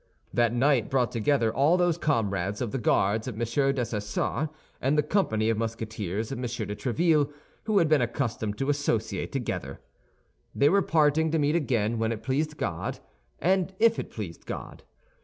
That night brought together all those comrades of the Guards of M. Dessessart and the company of Musketeers of M. de Tréville who had been accustomed to associate together. They were parting to meet again when it pleased God, and if it pleased God.